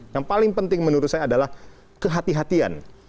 yang paling penting menurut saya adalah kehatian